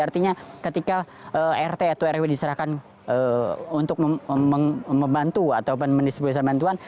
artinya ketika rt atau rw diserahkan untuk membantu atau mendistribusikan bantuan